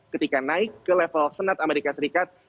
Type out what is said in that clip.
ketika naik ke level senat amerika serikat